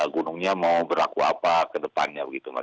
gunungnya mau beraku apa ke depannya begitu pak gede